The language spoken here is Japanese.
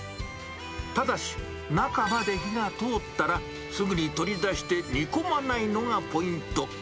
ただし、中まで火が通ったらすぐに取り出して、煮込まないのがポイント。